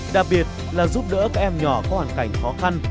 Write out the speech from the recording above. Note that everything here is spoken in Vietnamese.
đặc biệt là giúp đỡ các em nhỏ có hoàn cảnh khó khăn